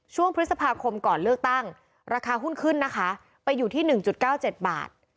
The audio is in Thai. ช่วงพฤษภาคมก่อนเลือกตั้งราคาหุ้นขึ้นนะคะไปอยู่ที่๑๙๗บาท